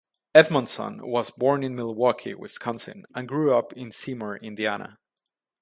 Edmondson was born in Milwaukee, Wisconsin and grew up in Seymour, Indiana.